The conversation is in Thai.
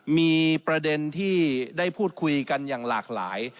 มีประเด็นที่ได้พูดคุยกันอย่างหลากหลาย